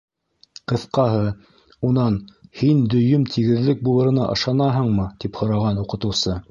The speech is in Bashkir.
Ҡыҫҡаһы, унан: «Һин дөйөм тигеҙлек булырына ышанаһыңмы?» - тип һораған уҡытыусы.